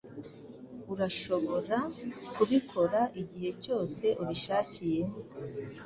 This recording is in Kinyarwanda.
Urashobora kubikora igihe cyose ubishakiye?